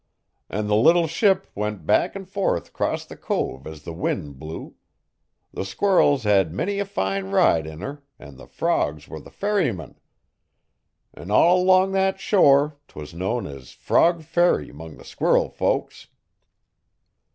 'An the little ship went back 'n' forth 'cross the cove as the win' blew. The squirrels hed many a fine ride in her an' the frogs were the ferrymen. An' all 'long thet shore 'twas known es Frog Ferry 'mong the squirrel folks.'